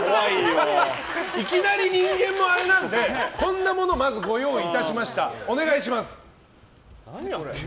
いきなり人間もあれなのでまず、こんなものをご用意いたしました。